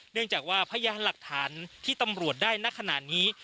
เนื่องจากว่าพยานหลักฐานที่ตำรวจได้ณขณะนี้